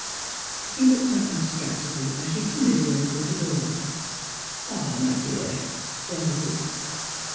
He looked up abstractedly as she timidly opened the door. "Ah, my dear! What is it?"